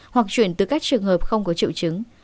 hoặc chuyển từ các trường hợp không có triệu chứng